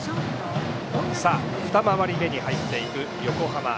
２回り目に入っていく横浜。